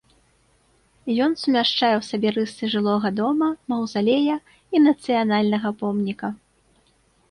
Ён сумяшчае ў сабе рысы жылога дома, маўзалея і нацыянальнага помніка.